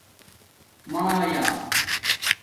مایآ